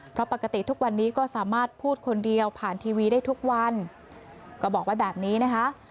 เพราะปกติทุกวันนี้ก็สามารถพูดคนเดียวผ่านทีวีได้ทุกวันก็บอกไว้แบบนี้นะคะ